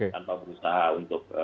tanpa berusaha untuk